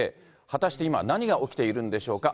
果たして今、何が起きているんでしょうか。